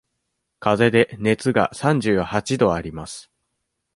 かぜで熱が三十八度あります。